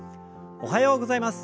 おはようございます。